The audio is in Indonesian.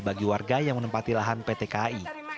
bagi warga yang menempati lahan pt kai